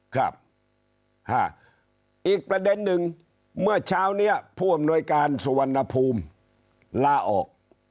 ครับอีกประเด็นหนึ่งเมื่อเช้านี้ผู้อำนวยการสุวรรณภูมิล่าออก